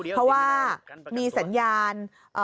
เพราะว่ามีสัญญาณ